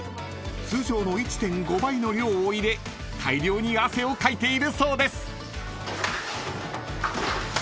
［通常の１．５倍の量を入れ大量に汗をかいているそうです］